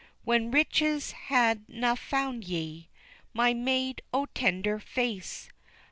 When riches had na found ye My maid o' tender face!